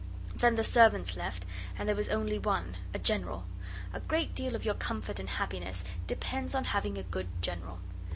Then the servants left and there was only one, a General. A great deal of your comfort and happiness depends on having a good General.